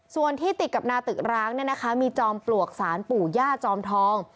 ส่วนที่ติดกับนาตึกร้างมีจอมปลวกสารปู่ย่าจอมทอง